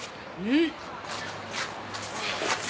うん。